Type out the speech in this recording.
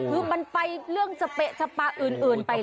คือมันไปเรื่องสเปะสปะอื่นไป